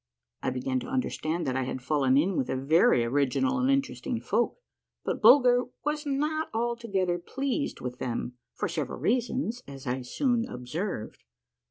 I began to understand that I had fallen in with a very original and interesting folk, but Bulger was not altogether pleased with them, for several reasons, as I soon observed.